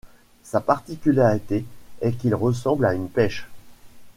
Sa particularité est qu'il ressemble à une pêche.